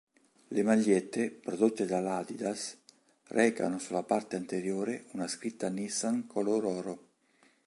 Le magliette, prodotte dall'Adidas, recano sulla parte anteriore una scritta Nissan color oro.